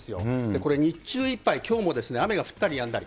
これ、日中いっぱい、きょうも雨が降ったりやんだり。